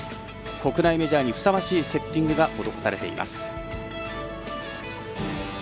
国内メジャーにふさわしいセッティングが施されています。